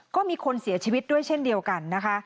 ก็มีคนเสียชีวิตด้วยเช่นเดียวกันนะคะ